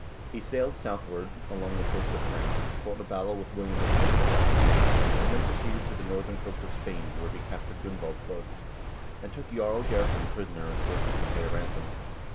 He sailed southward along the coast of France, fought a battle with William V. of Aquitaine, and then proceeded to the northern coast of Spain, where he captured Gunvaldsborg, and took Jarl Geirfinn prisoner and forced him to pay a ransom.